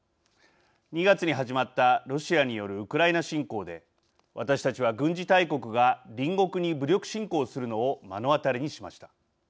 ２月に始まったロシアによるウクライナ侵攻で私たちは、軍事大国が隣国に武力侵攻するのを目の当たりにしました。